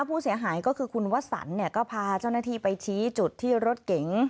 ผู้เสียหายก็คือคุณวสันเนี่ยก็พาเจ้าหน้าที่ไปชี้จุดที่รถเก๋ง